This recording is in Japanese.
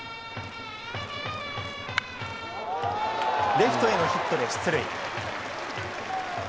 レフトへのヒットで出塁。